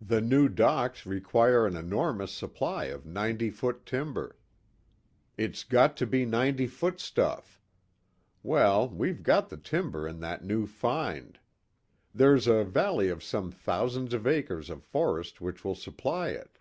The new docks require an enormous supply of ninety foot timber. It's got to be ninety foot stuff. Well, we've got the timber in that new find. There's a valley of some thousands of acres of forest which will supply it.